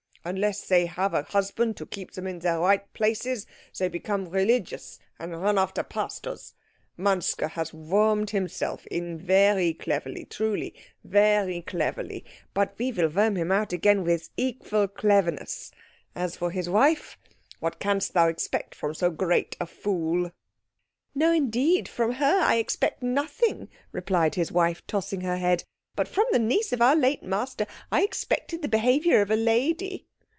Unless they have a husband to keep them in their right places, they become religious and run after pastors. Manske has wormed himself in very cleverly, truly very cleverly. But we will worm him out again with equal cleverness. As for his wife, what canst thou expect from so great a fool?" "No, indeed, from her I expect nothing," replied his wife, tossing her head, "but from the niece of our late master I expected the behaviour of a lady."